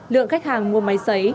lượng khách hàng mua máy xấy